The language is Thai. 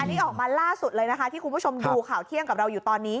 นี่ออกมาล่าสุดเลยนะคะที่คุณผู้ชมดูข่าวเที่ยงกับเราอยู่ตอนนี้